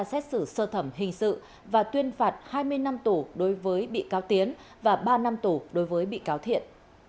xét xử sơ thẩm hình sự và tuyên phạt hai mươi năm tù đối với bị cáo tiến và ba năm tù đối với bị cáo thiện